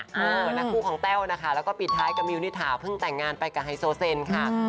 นักคู่ของแต้วนะคะแล้วก็ปิดท้ายกับมิวนิถาเพิ่งแต่งงานไปกับไฮโซเซนค่ะ